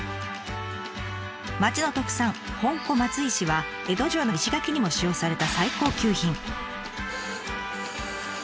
町の特産本小松石は江戸城の石垣にも使用された最高級品。